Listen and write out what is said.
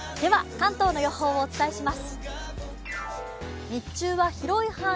関東の予報をお伝えします。